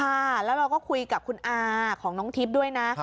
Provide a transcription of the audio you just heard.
ค่ะแล้วเราก็คุยกับคุณอาของน้องทิพย์ด้วยนะ